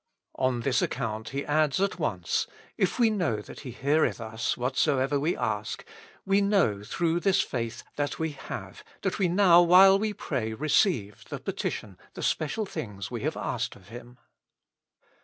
On this account He adds at once :" If we know that He heareth us whatsoever we ask, we know,^'' through this faith, "that we have," that we now while we pray receive "the petition," the special things, "we have asked of Him."